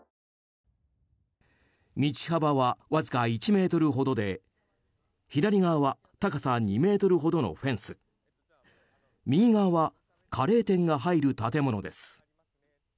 道幅はわずか１ｍほどで左側は高さ２ｍほどのフェンス右側はカレー店が入る建物です。